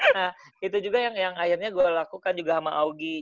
nah itu juga yang akhirnya gue lakukan juga sama augie